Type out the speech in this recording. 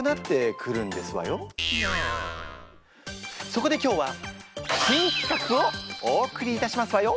そこで今日は新企画をお送りいたしますわよ。